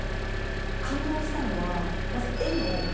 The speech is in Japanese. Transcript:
感動したのはまず。